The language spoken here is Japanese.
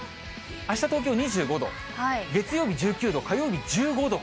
あした、東京２５度、月曜日１９度、火曜日１５度。